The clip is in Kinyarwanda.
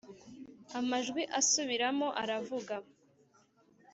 amajwi asubiramo aravuga